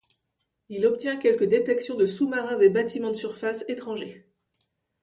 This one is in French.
Il obtient quelques détections de sous-marins et bâtiments de surface étrangers.